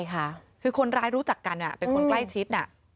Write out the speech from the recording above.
ใช่ค่ะคือคนร้ายรู้จักกันเป็นคนใกล้ชิด